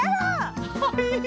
はい。